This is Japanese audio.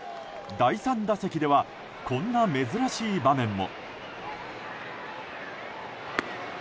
第３打席ではこんな珍しい場面も。